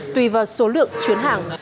tùy vào số lượng chuyến hàng